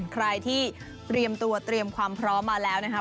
ใครที่เตรียมตัวเตรียมความพร้อมมาแล้วนะครับ